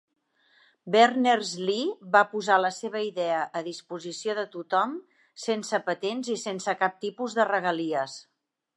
Berners-Lee va posar la seva idea a disposició de tothom, sense patents i sense cap tipus de regalies.